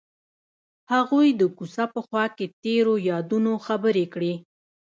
هغوی د کوڅه په خوا کې تیرو یادونو خبرې کړې.